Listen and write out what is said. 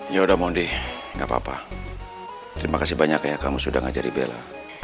yaudah mondi gak papa terimakasih banyak ya kamu sudah ngajari bella